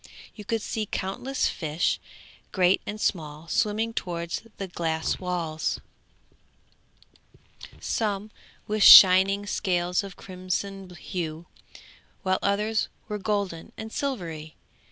You could see countless fish, great and small, swimming towards the glass walls, some with shining scales of crimson hue, while others were golden and silvery.